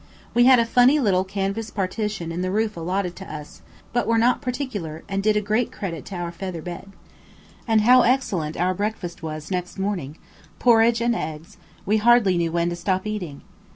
We had a funny little canvas partition in the roof allotted to us; but were not particular, and did great credit to our feather bed. And how excellent our breakfast was next morning, porridge and eggs; we hardly knew when to stop eating.